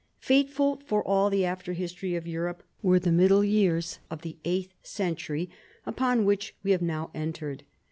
Fateful for all the after history of Europe were the middle years of the eighth century, upon which we have now entered.